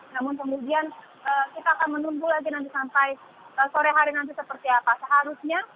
namun kemudian kita akan menunggu lagi nanti sampai sore hari nanti seperti apa seharusnya